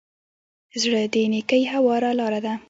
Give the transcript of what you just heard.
زړه د نېکۍ هواره لاره ده.